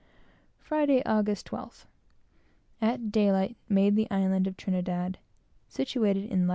Friday, August 12th. At daylight made the island of Trinidad, situated in lat.